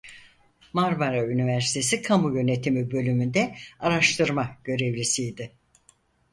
Marmara Üniversitesi Kamu Yönetimi Bölümü'nde araştırma görevlisiydi.